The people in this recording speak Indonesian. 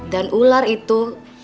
dan ular itu